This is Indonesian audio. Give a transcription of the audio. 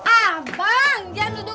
abang jangan duduk dulu